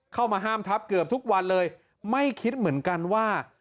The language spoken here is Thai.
เข้ามาห้ามทับเกือบทุกวันเลยไม่คิดเหมือนกันว่า